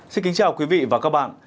xin kính chào quý vị và các bạn